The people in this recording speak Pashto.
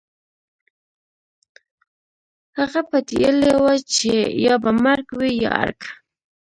هغه پتېيلې وه چې يا به مرګ وي يا ارګ.